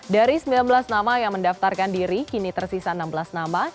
dari sembilan belas nama yang mendaftarkan diri kini tersisa enam belas nama